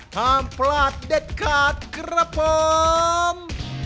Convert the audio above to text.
ห้ามพลาดเด็ดขาดครับผม